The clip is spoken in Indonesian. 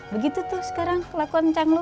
begitu tuh sekarang kelakuan chang lu